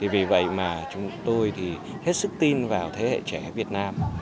vì vậy mà chúng tôi hết sức tin vào thế hệ trẻ việt nam